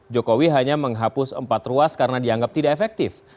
jokowi hanya menghapus empat ruas karena dianggap tidak efektif